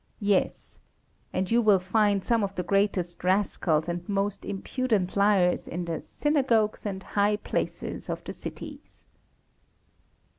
Yes. And you will find some of the greatest rascals and most impudent liars in the "Synagogues and High Places" of the cities.